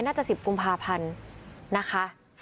น่าจะ๑๐กุมภาพันธ์นะคะ